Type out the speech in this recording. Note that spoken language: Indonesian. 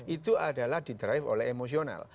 itu adalah didrive oleh emosional